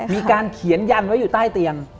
มีการเขียนยันไว้อยู่ใต้เตียง